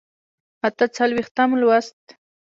اته څلوېښتم لوست